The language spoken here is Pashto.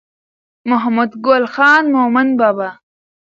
محمد ګل خان مومند بابا